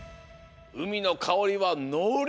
うみのかおりはのり！